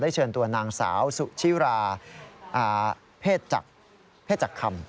ได้เชิญตัวนางสาวสุชีราเภทจักรครรม